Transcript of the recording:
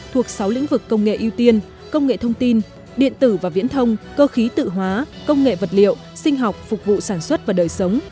thuộc sáu lĩnh vực công nghệ ưu tiên công nghệ thông tin điện tử và viễn thông cơ khí tự hóa công nghệ vật liệu sinh học phục vụ sản xuất và đời sống